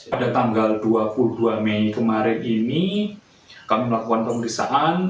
pada tanggal dua puluh dua mei kemarin ini kami melakukan pemeriksaan